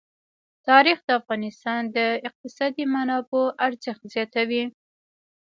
تاریخ د افغانستان د اقتصادي منابعو ارزښت زیاتوي.